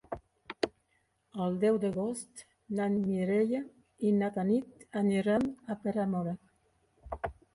El deu d'agost na Mireia i na Tanit aniran a Peramola.